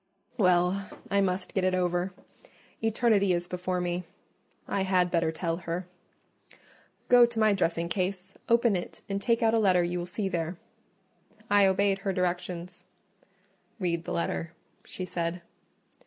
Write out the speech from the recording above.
"Well, I must get it over. Eternity is before me: I had better tell her.—Go to my dressing case, open it, and take out a letter you will see there." I obeyed her directions. "Read the letter," she said.